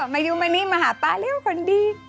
มายูมานี่มาหาป๊าเร็วคนดี